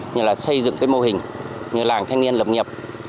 như là xây dựng cái mô hình như làng thanh niên lập nghiệp